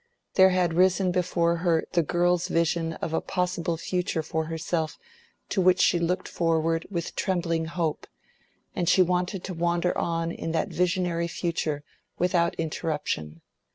There had risen before her the girl's vision of a possible future for herself to which she looked forward with trembling hope, and she wanted to wander on in that visionary future without interruption.